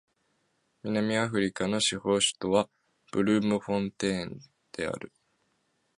南アフリカの司法首都はブルームフォンテーンである